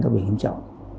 rất là hiếm trọng